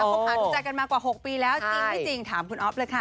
คบหาดูใจกันมากว่า๖ปีแล้วจริงไม่จริงถามคุณอ๊อฟเลยค่ะ